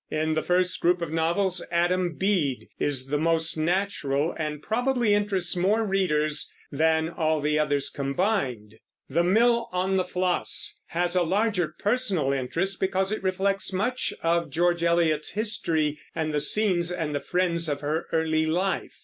In the first group of novels Adam Bede is the most natural, and probably interests more readers than all the others combined. The Mill on the Floss has a larger personal interest, because it reflects much of George Eliot's history and the scenes and the friends of her early life.